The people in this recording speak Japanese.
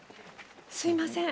すいません。